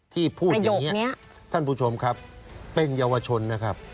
พูดอย่างนี้ท่านผู้ชมครับเป็นเยาวชนนะครับ